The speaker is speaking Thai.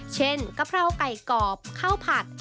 เช่นกระเพราไก่กรอบเข้าผัด